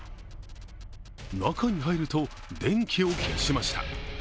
中に入ると電気を消しました。